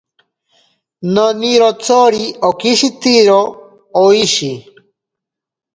Nonirotsori okishitiro oishi.